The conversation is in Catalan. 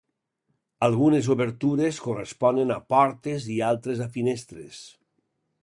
Algunes obertures corresponen a portes i altres a finestres.